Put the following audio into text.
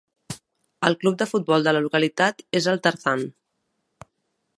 El club de futbol de la localitat és el Tarzan.